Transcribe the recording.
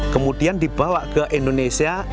kemudian dibawa ke indonesia